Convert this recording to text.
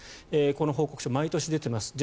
この報告書、毎年出ています。